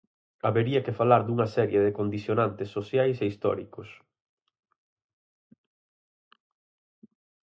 Habería que falar dunha serie de condicionantes sociais e históricos.